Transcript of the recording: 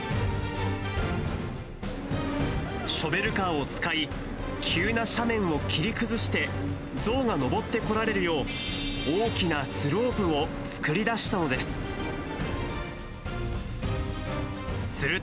ショベルカーを使い、急な斜面を切り崩して、ゾウが登ってこられるよう、大きなスロープを作り出したのです。